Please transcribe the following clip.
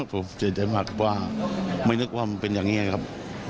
เพราะว่าไม่นึกว่ามันเป็นอย่างนี้ครับ